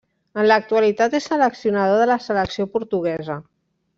En l'actualitat és seleccionador de la selecció portuguesa.